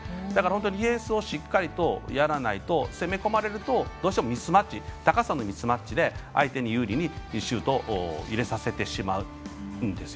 ディフェンスをしっかりとやらないと攻め込まれると、どうしても高さのミスマッチで相手に有利にシュートを入れさせてしまう。